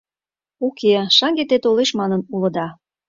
— Уке, шаҥге те толеш манын улыда.